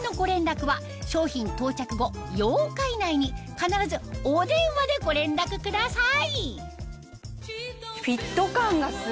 必ずお電話でご連絡ください